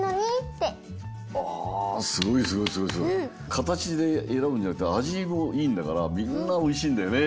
かたちでえらぶんじゃなくてあじもいいんだからみんなおいしいんだよね。